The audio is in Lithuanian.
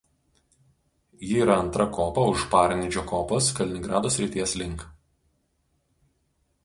Ji yra antra kopa už Parnidžio kopos Kaliningrado srities link.